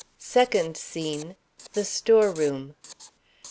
SECOND SCENE. The Store Room.